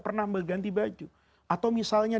pernah mengganti baju atau misalnya